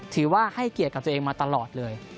ให้เกียรติกับตัวเองมาตลอดเลย